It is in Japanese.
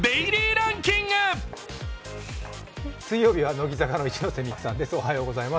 水曜日は乃木坂の一ノ瀬美空さんです。